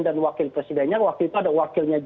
dan wakil presidennya wakil pada wakilnya itu